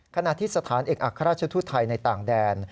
ขณะที่สถานเอกอัครราชทูตไทยในต่างแดน